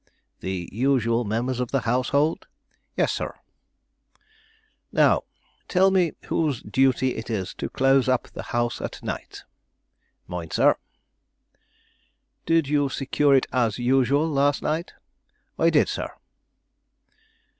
"The usual members of the household?" "Yes, sir." "Now tell me whose duty it is to close up the house at night." "Mine, sir." "Did you secure it as usual, last night?" "I did, sir."